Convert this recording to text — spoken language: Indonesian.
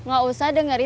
gak usah dengerin saya